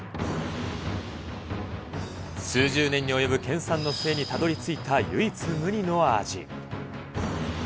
数十年に及ぶ研さんの末にたどりついた唯一無二の味。